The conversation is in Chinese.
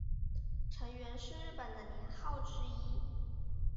承元是日本的年号之一。